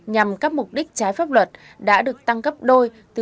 nhằm các mục đích trái pháp luật đã được tăng cấp đôi từ bảy lên đến một mươi bốn năm tù